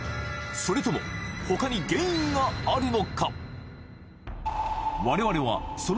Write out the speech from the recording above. それとも他に原因があるのか？